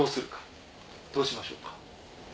どうしましょうか？